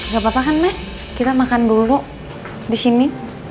gak apa apa kan mas kita makan dulu di sini